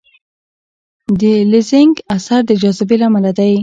د لینزینګ اثر د جاذبې له امله دی.